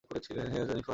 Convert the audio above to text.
হ্যাঁ, জেনিফার।